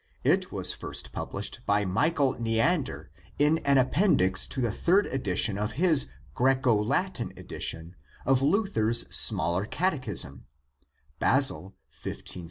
It was first published by Michael Neander in an appendix to the third edition of his Graeco Latin edition of Luther's smaller catechism, Basel, 1567 (p.